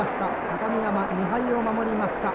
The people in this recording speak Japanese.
高見山、２敗を守りました。